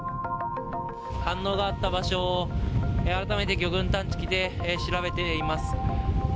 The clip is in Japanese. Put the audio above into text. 反応があった場所を、改めて魚群探知機で調べています。